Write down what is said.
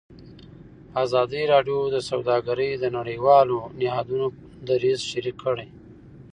ازادي راډیو د سوداګري د نړیوالو نهادونو دریځ شریک کړی.